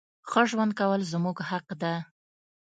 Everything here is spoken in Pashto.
ښه ژوند کول زمونږ حق ده.